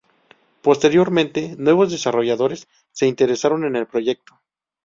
Posteriormente nuevos desarrolladores se interesaron en el proyecto.